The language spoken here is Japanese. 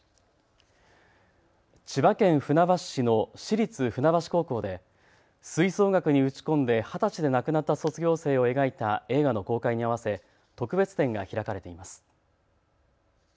千葉県船橋市の市立船橋高校で吹奏楽に打ち込んで二十歳で亡くなった卒業生を描いた映画の公開に合わせ特別展が開かれています。